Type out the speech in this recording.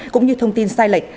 cũng như thông tin sai lệch